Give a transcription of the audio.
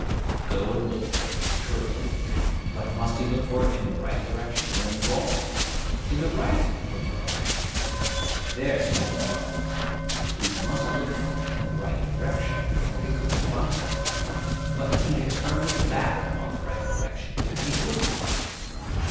Go and look for it, true. But must he look for it in the right direction, or in the wrong? ('In the right,' from a brother.) There spake the prophets! He must look for it in the right direction, or he couldn't find it. But he had turned his back upon the right direction, and he wouldn't find it.